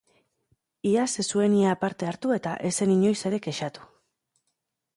Iaz ez zuen ia parte hartu eta ez zen inoiz ere kexatu.